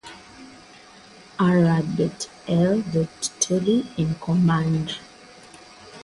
R. L. Tully in command.